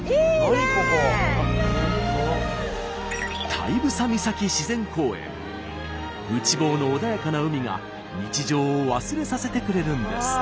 内房の穏やかな海が日常を忘れさせてくれるんです。